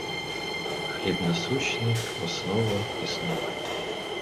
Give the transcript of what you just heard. Хліб насущний - основа існування